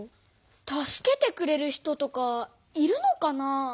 助けてくれる人とかいるのかなあ？